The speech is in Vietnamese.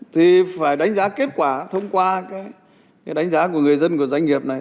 thì phải đánh giá kết quả thông qua cái đánh giá của người dân của doanh nghiệp này